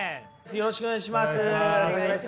よろしくお願いします。